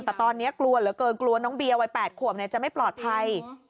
แต่ตอนนี้กลัวเหลือเกินกลัวน้องเบียวัย๘ขวบจะไม่ปลอดภัย